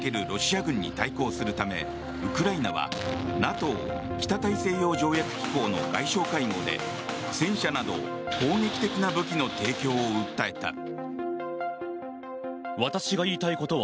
ロシア軍に対抗するためウクライナはＮＡＴＯ・北大西洋条約機構の外相会合で戦車など攻撃的な武器の提供を訴えた。